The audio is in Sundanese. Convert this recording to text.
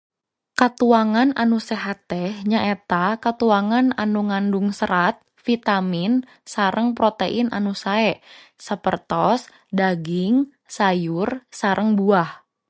Katuangan anu sehat teh nyaeta katuangan anu ngandung serat, vitamin sareng protein anu sae, sapertos daging, sayur sareng buah